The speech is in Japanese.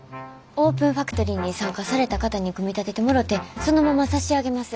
オープンファクトリーに参加された方に組み立ててもろてそのまま差し上げます。